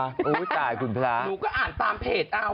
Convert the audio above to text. หนูก็อ่านตามเพจเอา